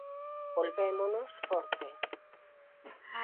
Volvémonos fortes.